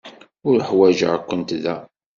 Uḥwaǧeɣ-kent da.